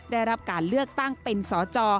ได้รับการเลือกตั้งเป็นสจ